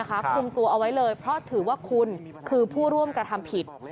คุมตัวเอาไว้เลยเพราะถือว่าคุณคือผู้ร่วมกระทำผิด